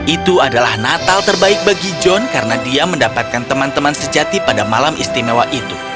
itu adalah natal terbaik bagi john karena dia mendapatkan teman teman sejati pada malam istimewa itu